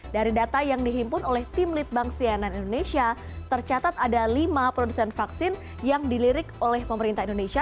dari data yang dihimpun oleh tim litbang sianan indonesia tercatat ada lima produsen vaksin yang dilirik oleh pemerintah indonesia